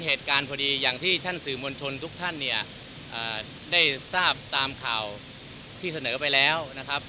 หรือมวลชนทุกท่านเนี่ยได้ทราบตามข่าวที่เสนอไปแล้วนะครับ